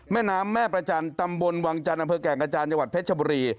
แม่น้ำแม่ประจันทร์ตำบลวังจันทร์อำเภอแก่งกระจานจังหวัดเพชรชบุรี